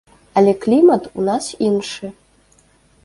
Але клімат у нас іншы.